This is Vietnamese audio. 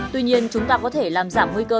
tuy nhiên chúng ta có thể làm giảm nguy cơ